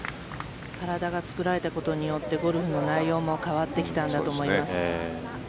体が作られたことによってゴルフの内容も変わってきたんだと思います。